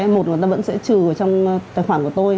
một người ta vẫn sẽ trừ ở trong tài khoản của tôi